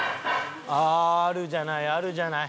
あああるじゃないあるじゃない。